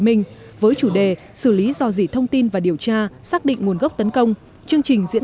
minh với chủ đề xử lý do dỉ thông tin và điều tra xác định nguồn gốc tấn công chương trình diễn